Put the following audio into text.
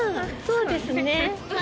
そうですね。